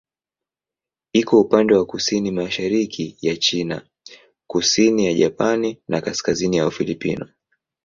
Iko upande wa kusini-mashariki ya China, kusini ya Japani na kaskazini ya Ufilipino.